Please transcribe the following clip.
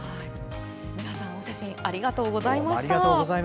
皆さん、お写真ありがとうございました。